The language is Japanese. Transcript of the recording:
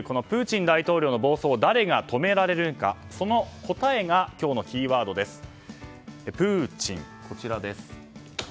プーチン大統領の暴走を誰が止められるのかの答えが今日のキーワードです。